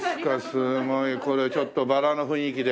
すごいこれちょっとバラの雰囲気で。